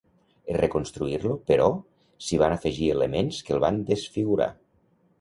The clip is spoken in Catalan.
En reconstruir-lo, però, s'hi van afegir elements que el van desfigurar.